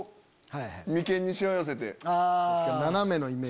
眉間にシワ寄せて。